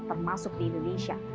termasuk di indonesia